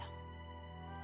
kemarin alan gak datang